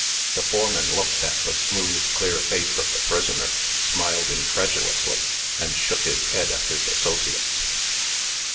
The foreman looked at the smooth, clear face of the prisoner, smiled incredulously, and shook his head at his associates.